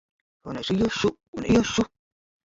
Un es iešu un iešu!